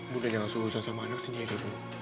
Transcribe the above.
bunda jangan sehuzon sama anak sendiri